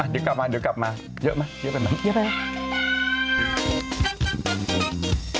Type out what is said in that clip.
เดี๋ยวกลับมาเยอะไปไหม